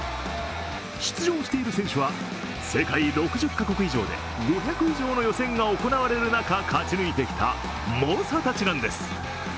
出場している選手葉、世界６０カ国以上で５００以上の予選が行われる中勝ち抜いてきた猛者たちなんです。